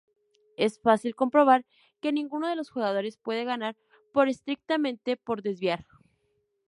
Es fácil comprobar que ninguno de los jugadores puede ganar por estrictamente por desviarse.